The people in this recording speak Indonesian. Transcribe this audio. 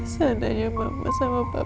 seandainya mama sama papa masih ada